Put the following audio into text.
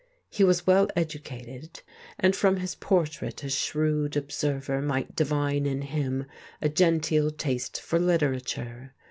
He was well educated, and from his portrait a shrewd observer might divine in him a genteel taste for literature.